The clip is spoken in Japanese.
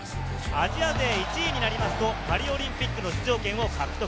アジア勢１位になりますと、パリオリンピックの出場権を獲得。